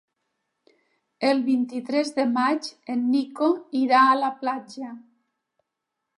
El vint-i-tres de maig en Nico irà a la platja.